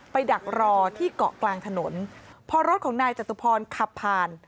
ดักรอที่เกาะกลางถนนพอรถของนายจตุพรขับผ่าน